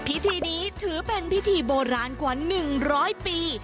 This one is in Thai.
พิธีนี้ถือเป็นพิธีโบราณกว่า๑๐๐ปี